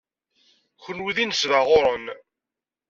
Kenwi d inesbaɣuren.